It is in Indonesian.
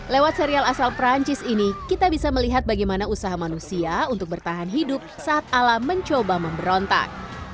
lewat serial asal perancis ini kita bisa melihat bagaimana usaha manusia untuk bertahan hidup saat alam mencoba memberontak